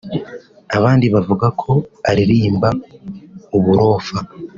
abandi bavuga ko aririmba uburofa